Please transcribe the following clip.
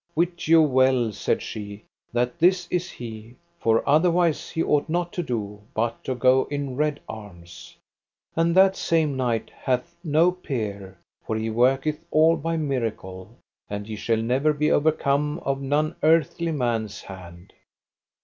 Wit you well, said she, that this is he, for otherwise ought he not to do, but to go in red arms; and that same knight hath no peer, for he worketh all by miracle, and he shall never be overcome of none earthly man's hand.